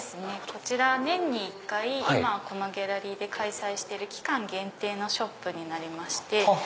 こちら年に一回今このギャラリーで開催してる期間限定のショップになりまして。